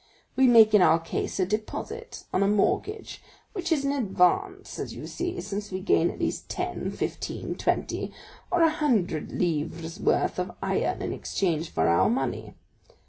We make in our case a deposit, on a mortgage, which is an advance, as you see, since we gain at least ten, fifteen, twenty, or a hundred livres' worth of iron in exchange for our money.